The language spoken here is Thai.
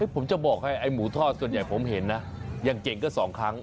ผมจะบอกให้ไอ้หมูทอดส่วนใหญ่ผมเห็นนะยังเก่งก็๒ครั้ง